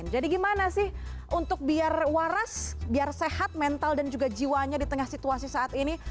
jadi gimana sih untuk biar waras biar sehat mental dan juga jiwanya di tengah situasi saat ini